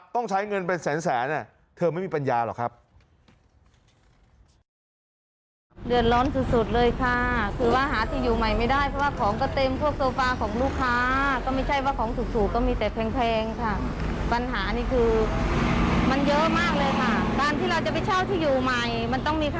ต้องใช้เงินเป็นแสนเธอไม่มีปัญญาหรอกครับ